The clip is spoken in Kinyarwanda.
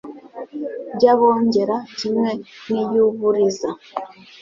by'Abongera kimwe n'iy'u Buliza.